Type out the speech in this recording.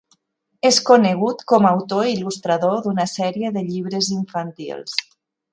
És conegut com a autor i il·lustrador d'una sèrie de llibres infantils.